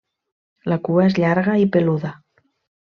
La cua és llarga i peluda.